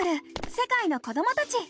世界の子どもたち」。